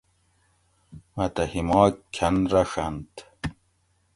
مہ تہ ہِیماگ کۤھن رۤڄھنت